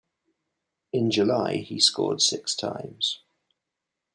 In July, he scored six times.